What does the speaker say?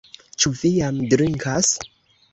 Ĉu vi jam drinkas?